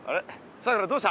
さくらどうした？